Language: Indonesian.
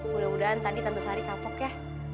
mudah mudahan tadi tante sari kapok ya